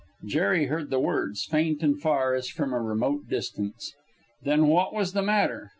Jerry heard the words, faint and far, as from a remote distance. Then what was the matter?